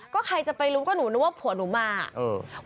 ก็ใครจะไปรู้ก็หนูนึงว่าผัวหนูมาเออ